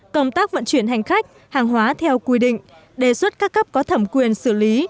công tác vận chuyển hành khách hàng hóa theo quy định đề xuất các cấp có thẩm quyền xử lý